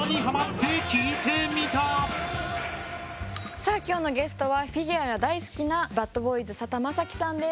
さあ今日のゲストはフィギュアが大好きなバッドボーイズ佐田正樹さんです。